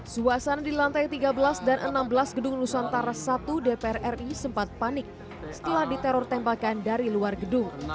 suasana di lantai tiga belas dan enam belas gedung nusantara i dpr ri sempat panik setelah diteror tembakan dari luar gedung